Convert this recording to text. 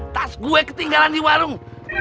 tas gue ketinggalan di warung